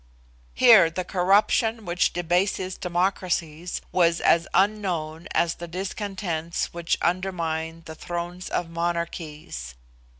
Here the corruption which debases democracies was as unknown as the discontents which undermine the thrones of monarchies.